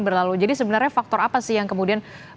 berlalu jadi sebenarnya faktor apa sih yang kemudian